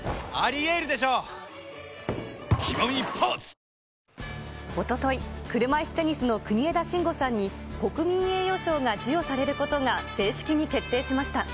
三菱電機おととい、車いすテニスの国枝慎吾さんに国民栄誉賞が授与されることが正式に決定しました。